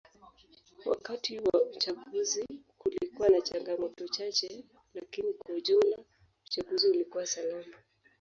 Wakati wa uchaguzi kulikuwa na changamoto chache lakini kwa jumla uchaguzi ulikuwa salama